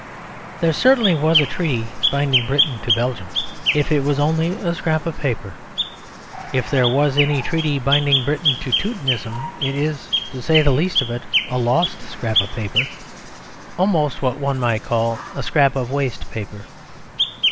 There certainly was a treaty binding Britain to Belgium; if it was only a scrap of paper. If there was any treaty binding Britain to Teutonism it is, to say the least of it, a lost scrap of paper: almost what one might call a scrap of waste paper.